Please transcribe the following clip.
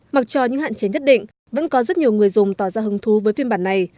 mặc cho những hạn chế nhất định vẫn có rất nhiều người dùng tỏ ra hứng thú với phiên bản này